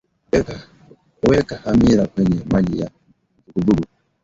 weka hamira kwenye maji ya uvuguvugu